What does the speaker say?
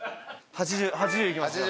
８０いきますよ